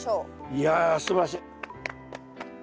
いやすばらしい。